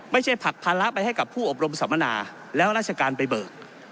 ผลักภาระไปให้กับผู้อบรมสัมมนาแล้วราชการไปเบิก